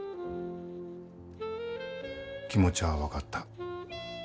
気持ちゃあ分かった。